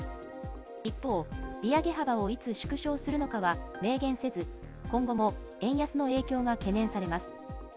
一方、利上げ幅をいつ縮小するのかは明言せず、今後も円安の影響が懸念されます。